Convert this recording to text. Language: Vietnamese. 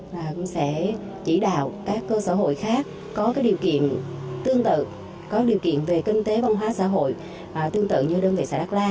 và cũng sẽ chỉ đạo các cơ sở hội khác có điều kiện tương tự có điều kiện về kinh tế văn hóa xã hội tương tự như đơn vị xã đắc la